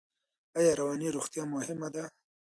ایا رواني روغتیا مهمه ده؟